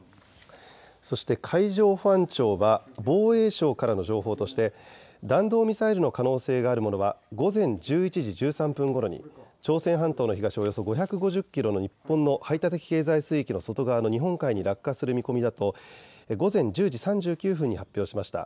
そして海上保安庁は防衛省からの情報として弾道ミサイルの可能性があるものは午前１１時１３分ごろに朝鮮半島の東およそ５５０キロの日本の排他的経済水域の外側の日本海に落下する見込みだと午前１０時３９分に発表しました。